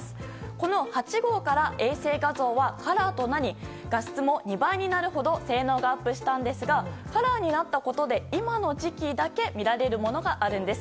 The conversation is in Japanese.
この８号から衛星画像はカラーとなり画質も２倍になるほど性能がアップしたんですがカラーになったことで今の時期だけ見られるものがあるんです。